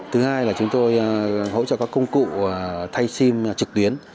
thứ hai là chúng tôi hỗ trợ các công cụ thay sim trực tuyến